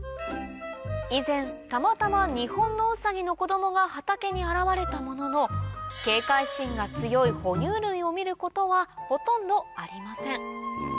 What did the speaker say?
以前たまたまニホンノウサギの子供が畑に現れたものの警戒心が強い哺乳類を見ることはほとんどありません